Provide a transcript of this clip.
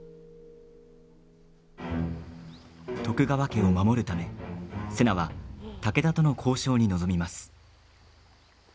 徳川家を守るため瀬名は武田との交渉に臨みます。